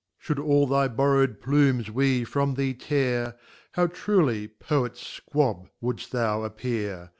L *^ Should all thy borrow'd plumes we from thee tear, How truly * Poet Squab would'ft thou appear